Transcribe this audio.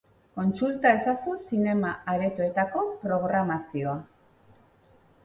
Kontsulta ezazu zinema-aretoetako programazioa.